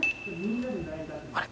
あれ？